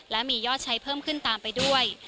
และมียอดใช้เพิ่มขึ้นตามไปด้วย